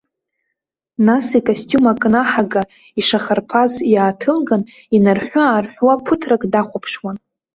Нас, икостиум акнаҳага ишахарԥаз иааҭылган, инарҳәы-аарҳәуа ԥыҭрак дахәаԥшуан.